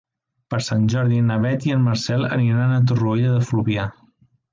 Per Sant Jordi na Beth i en Marcel aniran a Torroella de Fluvià.